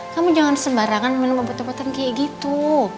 kamu jangan sembarangan minum obat obatan kayak gitu